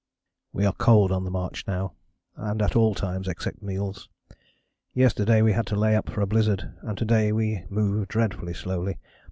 "We are cold on the march now, and at all times except meals. Yesterday we had to lay up for a blizzard and to day we move dreadfully slowly.